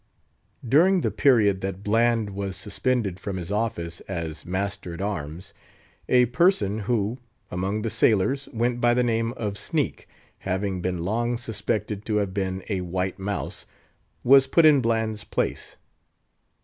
During the period that Bland was suspended from his office as master at arms, a person who, among the sailors, went by the name of Sneak, having been long suspected to have been a white mouse, was put in Bland's place.